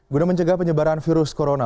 guna mencegah penyebaran virus corona